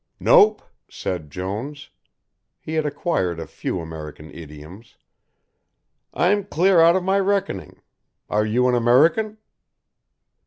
"Nope," said Jones he had acquired a few American idioms "I'm clear out of my reckoning are you an American?"